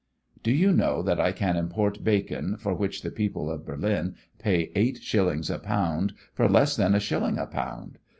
"Do you know that I can import bacon, for which the people of Berlin pay eight shillings a pound for less than a shilling a pound?